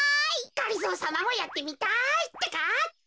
がりぞーさまもやってみたいってか。